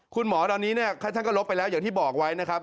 คุณหมอตอนนี้เนี่ยท่านก็ลบไปแล้วอย่างที่บอกไว้นะครับ